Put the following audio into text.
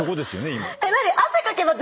今。